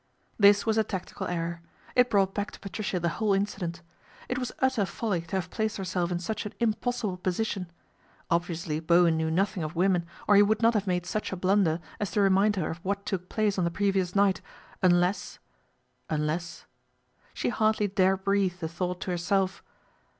This was a tactical error. It brought back to Patricia the whole incident. It was utter folly to have placed herself in such an impossible position. Obviously Bowen knew nothing of women, or he would not have made such a blunder as to remind her of what took place on the previous night, un less unless She hardly dare breathe the thought to herself.